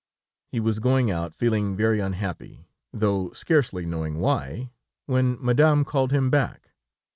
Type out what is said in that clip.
He was going out, feeling very unhappy, though scarcely knowing why, when Madame called him back.